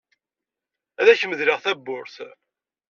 Ad ak-medleɣ tawwurt.